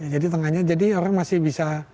jadi tengahnya jadi orang masih bisa